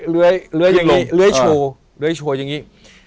เลื้อยอย่างนี้เลื้อยโชว์เลื้อยโชว์อย่างนี้